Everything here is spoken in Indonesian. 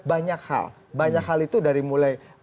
banyak hal banyak hal itu dari mulai